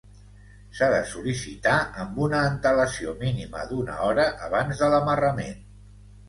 S'ha de sol·licitar amb una antelació mínima d'una hora abans de l'amarrament.